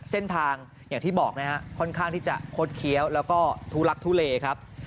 เส้นทางอย่างที่บอกนะฮะค่อนข้างที่จะคดเคี้ยวแล้วก็ทุลักทุเลครับ